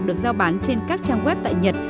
được giao bán trên các trang web tại nhật